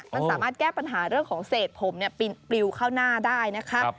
มันสามารถแก้ปัญหาเรื่องของเศษผมปลิวเข้าหน้าได้นะคะ